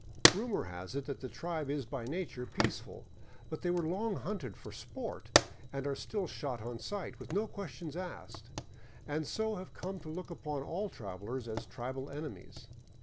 Rumor has it that the tribe is by nature peaceful; but they were long hunted for sport and are still shot on sight, with no questions asked, and so have come to look upon all travelers as tribal enemies.